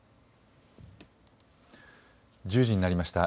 １０時になりました。